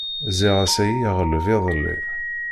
Ziɣ ass-ayi iɣleb iḍelli.